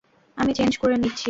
আমি চেঞ্জ করে নিচ্ছি।